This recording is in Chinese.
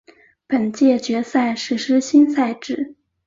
本届决赛实施新赛制。